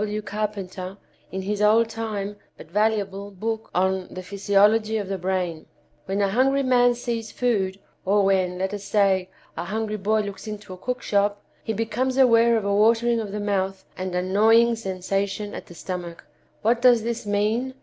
W. Carpenter in his old time, but valuable, book on 'The Physiology of the Brain.' When a hungry man sees food, or when, let us say, a hungry boy looks into a cookshop, he becomes aware of a watering of the mouth and a gnawing sensation at the stomach. What does this mean?